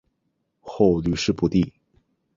后屡试不第。